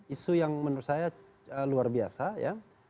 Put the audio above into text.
isu yang menurut saya luar biasa ya